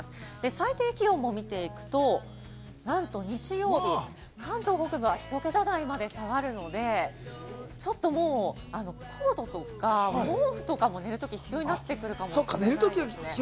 最低気温も見ていくと、なんと日曜日、関東北部はひと桁台まで下がるので、ちょっともうコートとか毛布とか寝るときに必要になってくるかもしれないですね。